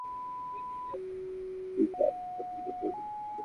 আমি নিজ হাতে প্রতিটা পত্রিকা পড়ি।